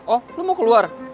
oh lo mau keluar